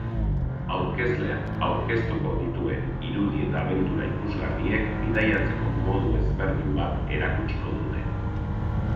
Aurkezleak aurkeztuko dituen irudi eta abentura ikusgarriek bidaiatzeko modu ezberdin bat erakutsiko dute.